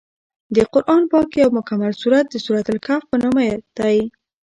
د قران پاک یو مکمل سورت د سورت الکهف په نامه دی.